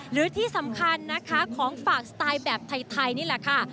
หรือที่สำคัญนะคะของฝากสไตล์แบบไทยนี่แหละค่ะ